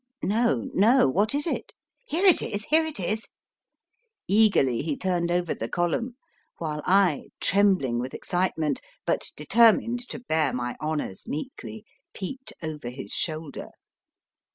, No, no. What is it ? Here it is ! Here it is ! Eagerly he turned over the column, while I, trembling with excite ment, but determined to bear my honours meekly, peeped over his shoulder.